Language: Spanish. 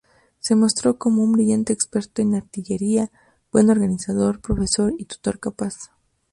Se mostró como un brillante experto en artillería, buen organizador, profesor y tutor capaz.